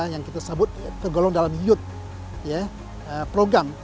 yang kita sebut tergolong dalam youth program